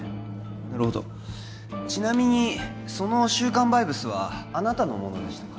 なるほどちなみにその週刊バイブスはあなたのものでしたか？